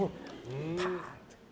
パンって。